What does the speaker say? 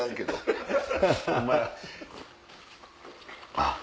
あっ！